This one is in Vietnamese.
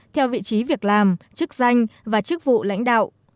theo vị trí việc làm chức danh và chức vụ lãnh đạo